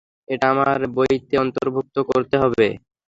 এটা আমার বইতে অন্তর্ভুক্ত করতে হবে।